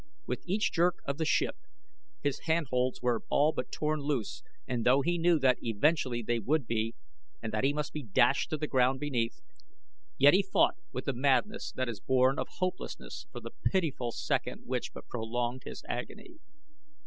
With each jerk of the ship his hand holds were all but torn loose, and though he knew that eventually they would be and that he must be dashed to the ground beneath, yet he fought with the madness that is born of hopelessness for the pitiful second which but prolonged his agony.